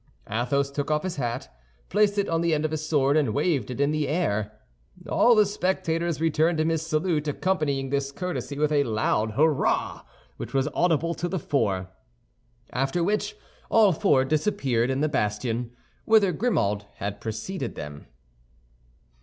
Athos took off his hat, placed it on the end of his sword, and waved it in the air. All the spectators returned him his salute, accompanying this courtesy with a loud hurrah which was audible to the four; after which all four disappeared in the bastion, whither Grimaud had preceded them.